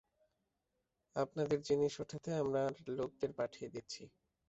আপনাদের জিনিস ওঠাতে আমার লোকেদের পাঠিয়ে দিচ্ছি।